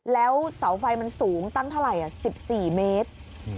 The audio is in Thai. แล้วเสาไฟมันสูงตั้งเท่าไหร่๑๔เมตร